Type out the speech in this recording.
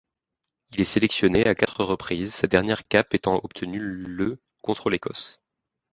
Il est sélectionné à quatre reprises, sa dernière cape étant obtenue le contre l'Écosse.